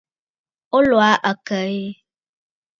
O lɔ̀ɔ̀ aa àkə̀ aa ɛ?